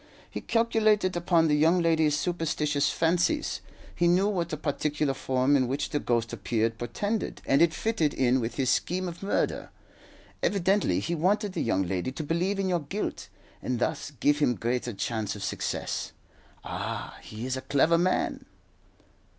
He calculated upon the young lady's superstitious fancies. He knew what the particular form in which the ghost appeared portended, and it fitted in with his scheme of murder. Evidently he wanted the young lady to believe in your guilt, and thus give him greater chance of success. Ah, he is a clever man."